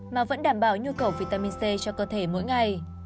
mà vẫn đảm bảo nhu cầu vitamin c cho cơ thể mỗi ngày